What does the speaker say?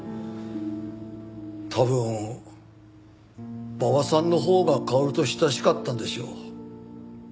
多分馬場さんのほうが薫と親しかったんでしょう。